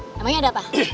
namanya ada apa